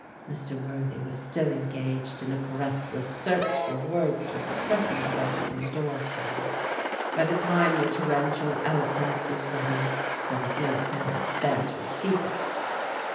Mr. Worthy was still engaged in a breathless search for words to express himself when the door closed. By the time the torrential eloquence was ready there was no Sandys there to receive it.